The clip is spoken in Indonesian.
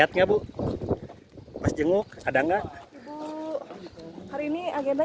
atau mau nemenin tiga rakan tadi aja